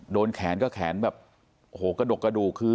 โดนแขนก็แขนแบบโอ้โหกระดกกระดูกคือ